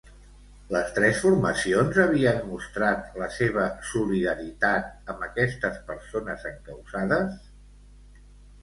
Les tres formacions havien mostrat la seva solidaritat amb aquestes persones encausades?